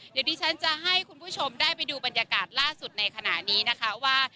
เดี๋ยวดิฉันจะให้คุณผู้ชมได้ไปดูบรรยากาศล่าสุดในขณะนี้นะคะว่า